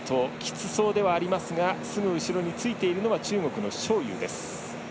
きつそうではありますがすぐ後ろについているのが中国の章勇です。